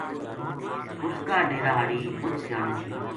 اُس کا ڈیرا ہاڑی مچ سیانی تھی